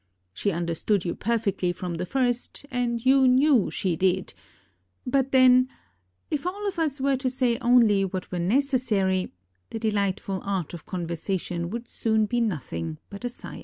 She understood you perfectly from the first, and you knew she did; but then, if all of us were to say only what were necessary, the delightful art of con versation would soon be nothing but a science.